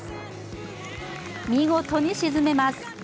見事に沈めます。